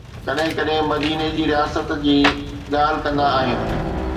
ڪڏهن ڪڏهن مديني جي رياست جي ڳالهه ڪندا آهيون.